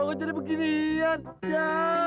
loh kok jadi begini ya